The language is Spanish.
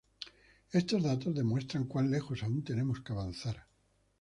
Estos datos demuestran cuán lejos aún tenemos que avanzar".